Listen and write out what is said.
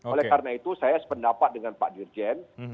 oleh karena itu saya sependapat dengan pak dirjen